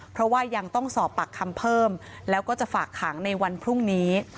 เพราะว่ายังต้องสอบปากคำเพิ่มแล้วก็จะฝากขังในวันพรุ่งนี้